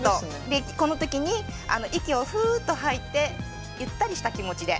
でこの時に息をフーッと吐いてゆったりした気持ちで。